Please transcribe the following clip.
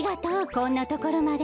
こんなところまで。